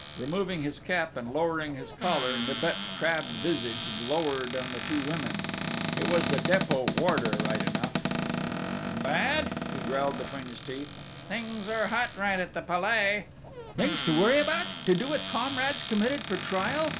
Removing his cap and lowering his collar Nibet's crabbed visage glowered on the two women: it was the Dépôt warder right enough: "Bad," he growled between his teeth: "Things are hot right at the Palais!" "Things to worry about to do with comrades committed for trial?"